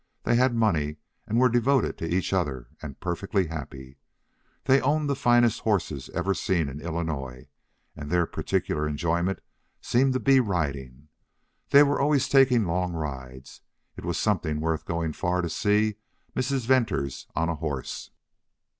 They had money and were devoted to each other, and perfectly happy. They owned the finest horses ever seen in Illinois, and their particular enjoyment seemed to be riding. They were always taking long rides. It was something worth going far for to see Mrs. Venters on a horse.